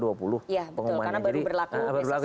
iya betul karena baru berlaku